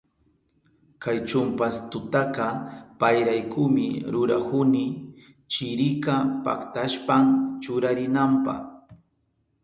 Kay chumpastutaka payraykumi rurahuni, chirika paktashpan churarinanpa.